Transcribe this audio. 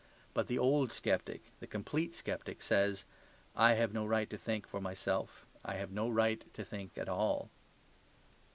But the old sceptic, the complete sceptic, says, "I have no right to think for myself. I have no right to think at all."